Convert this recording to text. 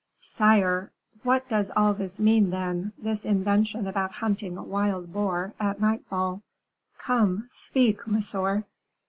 "Sire " "What does all this mean, then, this invention about hunting a wild boar at nightfall? Come, speak, monsieur."